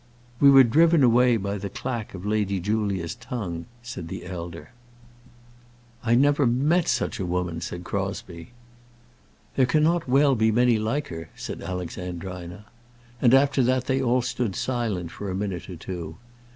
"We were driven away by the clack of Lady Julia's tongue," said the elder. "I never met such a woman," said Crosbie. "There cannot well be many like her," said Alexandrina. And after that they all stood silent for a minute or two.